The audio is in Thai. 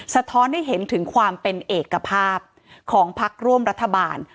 สะท้อนให้เห็นถึงความเป็นเอกภาพของพักร่วมรัฐบาล